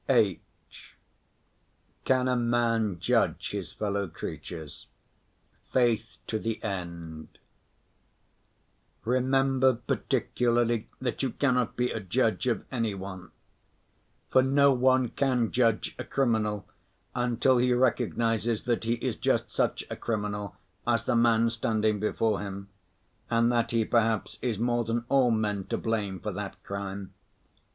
(h) Can a Man judge his Fellow Creatures? Faith to the End Remember particularly that you cannot be a judge of any one. For no one can judge a criminal, until he recognizes that he is just such a criminal as the man standing before him, and that he perhaps is more than all men to blame for that crime.